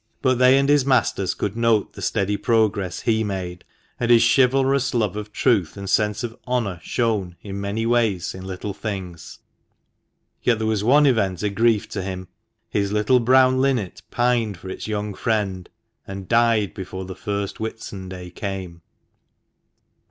But they and his masters could note the steady progress he made, and his chivalrous love of truth and sense of honour shown in many ways in little things. Yet there was one event a 8o THE MANCHESTER MAN. grief to him. His little brown linnet pined for its young friend, and died before the first Whitsunday came.